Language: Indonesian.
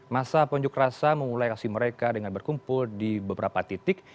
masa pengunjuk rasa memulai aksi mereka dengan berkumpul di beberapa titik